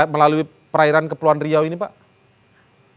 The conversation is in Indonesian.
melalui perairan kepulauan riau ini pak